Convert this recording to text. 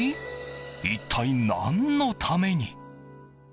一体、何のために？